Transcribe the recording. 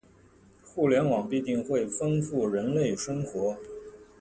互联网必定会丰富人类生活